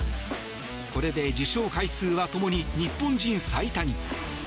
これで受賞回数はともに日本人最多に。